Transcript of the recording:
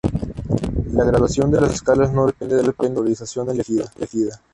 La graduación de las escalas no depende de la factorización elegida.